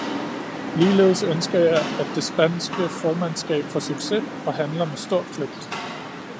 Ligeledes ønsker jeg, at det spanske formandskab får succes og handler med stor kløgt.